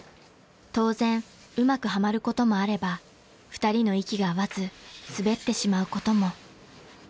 ［当然うまくはまることもあれば２人の息が合わずスベってしまうことも］